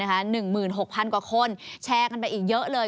๑๖๐๐๐กว่าคนแชร์กันไปอีกเยอะเลย